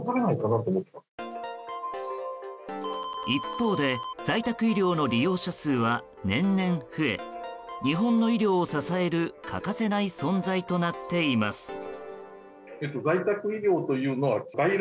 一方で在宅医療の利用者数は年々増え日本の医療を支える欠かせない存在となっています。